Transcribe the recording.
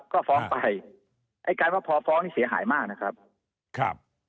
ก็ฟ้องไปไอ้การว่าพอฟ้องนี่เสียหายมากนะครับครับ